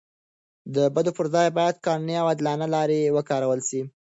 د بدو پر ځای باید قانوني او عادلانه لارې وکارول سي.